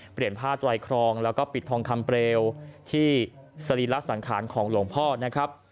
เปลี่ยนผ้าไตรครองแล้วก็ปิดทองคำเปลวที่สรีระสังขารของหลวงพ่อนะครับ